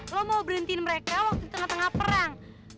lo mau berhentiin mereka waktu di tengah tengah perang